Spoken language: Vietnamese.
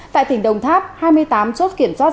tại tỉnh đồng tháp hai mươi tám chốt kiểm soát